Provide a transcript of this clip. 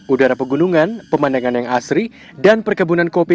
udara pegunungan pemandangan yang asri dan perkebunan kopi